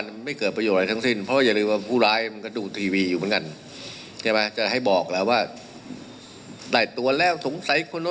ก็มึงไม่รู้จะใช้หรือเปล่าเผื่อเจอดูก่อน